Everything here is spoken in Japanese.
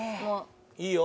いいよ。